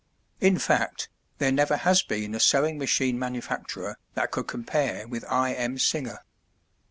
In fact; there never has been a sewing machine manufacturer that could compare with I. M. Singer.